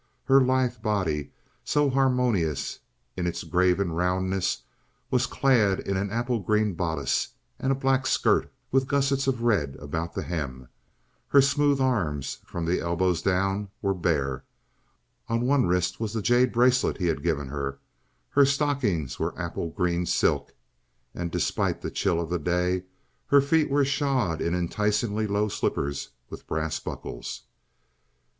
Her lithe body, so harmonious in its graven roundness, was clad in an apple green bodice, and a black skirt with gussets of red about the hem; her smooth arms, from the elbows down, were bare. On one wrist was the jade bracelet he had given her. Her stockings were apple green silk, and, despite the chill of the day, her feet were shod in enticingly low slippers with brass buckles.